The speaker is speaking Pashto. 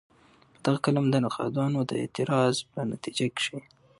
په غه فلم د نقادانو د اعتراض په نتيجه کښې